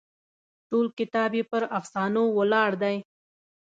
ټول کتاب یې پر افسانو ولاړ دی.